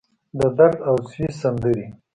د درد اوسوي سندرې